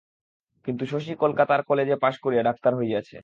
কিন্তু শশী কলিকাতার কলেজে পাস করিয়া ডাক্তার হইয়াছে।